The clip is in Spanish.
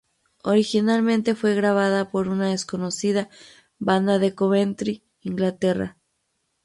Originalmente fue grabada por una desconocida banda de Coventry, Inglaterra.